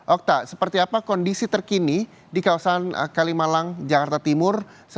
okta seperti apa kondisi terkini di kawasan kalimalang jakarta timur